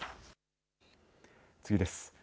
次です。